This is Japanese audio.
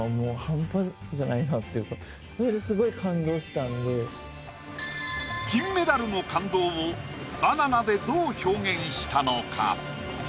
なのに金メダルの感動をバナナでどう表現したのか？